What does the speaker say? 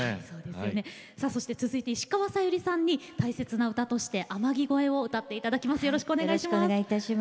続いては石川さゆりさんに大切な歌、「天城越え」を歌っていただきます。